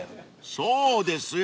［そうですよ